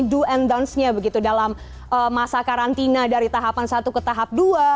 do and don't nya begitu dalam masa karantina dari tahapan satu ke tahap dua